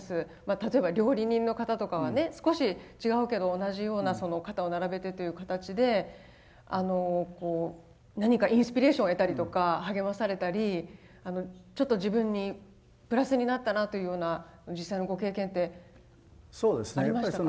例えば料理人の方とかはね少し違うけど同じような肩を並べてという形で何かインスピレーションを得たりとか励まされたりちょっと自分にプラスになったなというような実際のご経験ってありましたか？